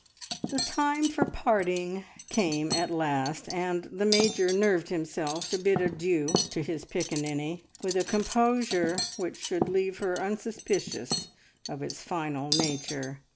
The time for parting came at last, and the Major nerved himself to bid adieu to his piccaninny with a composure which should leave her unsuspicious of its final nature.